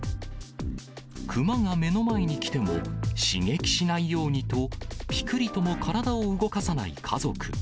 熊が目の前に来ても、刺激しないようにと、ぴくりとも体を動かさない家族。